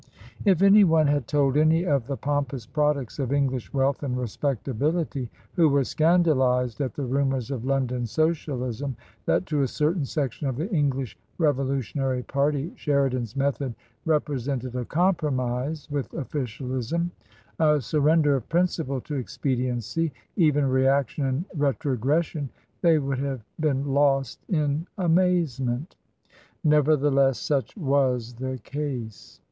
H 15 I70 TRANSITION. If anyone had told any of the pompous products of English wealth and respectability who were scandalized at the rumours of London Socialism that to a certain section of the English revolutionary party Sheridan's method represented a compromise with officialism, a surrender of principle to expediency, even reaction and retrogression, they would have been lost in amazement. Nevertheless, such was the case.